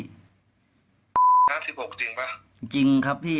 จริงครับพี่